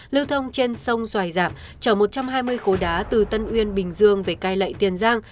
lưu thông trên sông xoài giảm chở một trăm hai mươi khối đá từ tân uyên bình dương về cai lệ tiền giang